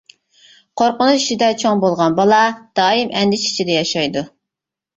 قورقۇنچ ئىچىدە چوڭ بولغان بالا، دائىم ئەندىشە ئىچىدە ياشايدۇ.